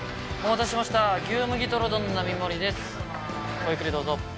ごゆっくりどうぞ。